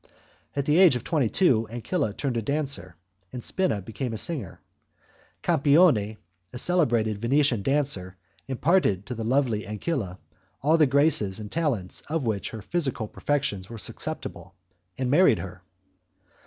At the age of twenty two, Ancilla turned a dancer and Spina became a singer. Campioni, a celebrated Venetian dancer, imparted to the lovely Ancilla all the graces and the talents of which her physical perfections were susceptible, and married her.